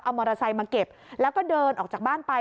เอามอเตอร์ไซค์มาเก็บแล้วก็เดินออกจากบ้านไป